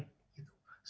nah itu cukup baik